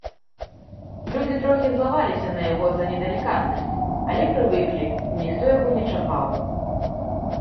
Людзі трохі злаваліся на яго за недалікатнасць, але прывыклі, і ніхто яго не чапаў.